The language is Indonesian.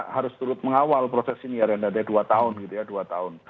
harus terus mengawal proses ini ya rendahnya dua tahun gitu ya dua tahun